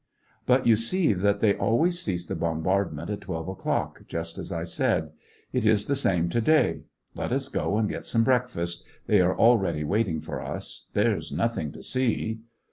" But you see that they always cease the bom bardment at twelve o'clock, just as I said. It is the same to day. Let us go and get some break fast ... they are already waiting for us ... there's nothing to see."